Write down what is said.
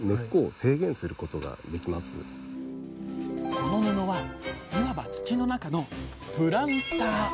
この布はいわば土の中のプランター！